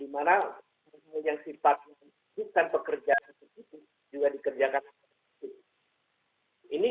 di mana semua yang sifatnya penegak hukum dan pekerjaan itu juga dikerjakan oleh presiden